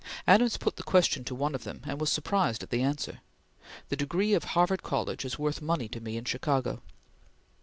Adams did put the question to one of them, and was surprised at the answer: "The degree of Harvard College is worth money to me in Chicago."